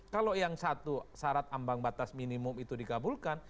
kalau yang satu syarat ambang batas minimum itu dikabulkan